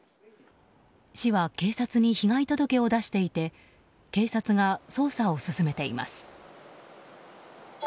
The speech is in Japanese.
市は警察に被害届を出していて警察が捜査を進めています。